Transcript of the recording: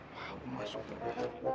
wah aku masuk dulu